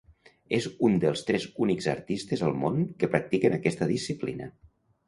És un dels tres únics artistes al món que practiquen aquesta disciplina.